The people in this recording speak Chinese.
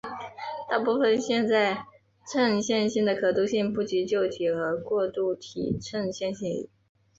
大部分现代衬线体的可读性不及旧体和过渡体衬线体。